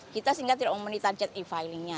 kita sehingga tidak umum di target e filingnya